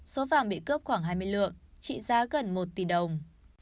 số vàng bị cướp khoảng hai mươi lượng trị giá gần một tỷ đồng